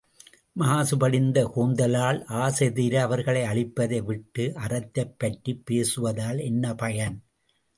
மாசு படிந்த கூந்தலாள் ஆசைதீர அவர்களை அழிப்பதை விட்டு அறத்தைப் பற்றிப் பேசுவதால் என்ன பயன்?